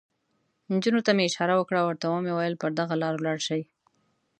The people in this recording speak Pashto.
نجونو ته مې اشاره وکړه، ورته مې وویل: پر دغه لار ولاړ شئ.